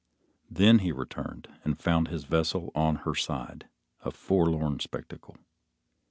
Then he returned, and found his vessel on her side, a forlorn spectacle.